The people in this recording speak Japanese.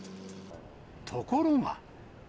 ところが。